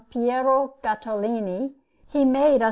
Piero Gattolini, he made a S.